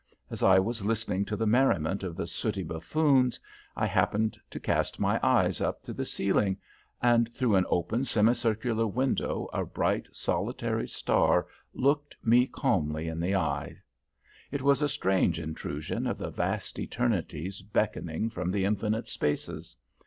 As I was listening to the merriment of the sooty buffoons, I happened to cast my eyes up to the ceiling, and through an open semicircular window a bright solitary star looked me calmly in the eyes. It was a strange intrusion of the vast eternities beckoning from the infinite spaces.